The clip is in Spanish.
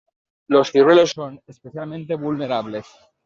Los ciruelos son especialmente vulnerables.